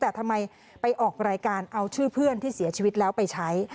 แต่ทำไมไปออกรายการเอาชื่อเพื่อนที่เสียชีวิตแล้วไปใช้